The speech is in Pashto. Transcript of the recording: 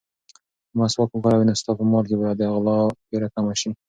که مسواک وکاروې، نو ستا په مال کې به د غلا وېره کمه شي.